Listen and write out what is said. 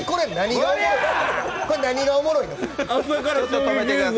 何がおもろいの？